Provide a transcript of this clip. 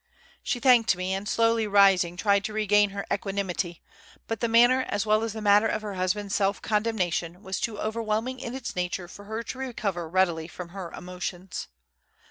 She thanked me, and slowly rising, tried to regain her equanimity; but the manner as well as the matter of her husband's self condemnation was too overwhelming in its nature for her to recover readily from her emotions.